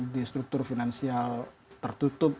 di struktur finansial tertutup